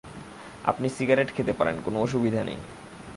আপনি সিগারেট খেতে পারেন, কোনো অসুবিধা নেই।